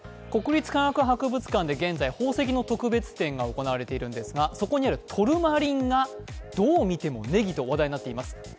国立科学博物館で現在、宝石の博物展が行われていますがそこにあるトルマリンがどう見てもネギと話題になっています。